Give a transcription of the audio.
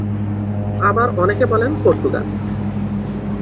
আবার অনেকে বলেন পর্তুগালে।